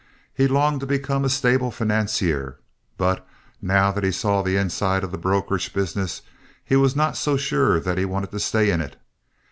He longed to become a stable financier; but, now that he saw the inside of the brokerage business, he was not so sure that he wanted to stay in it.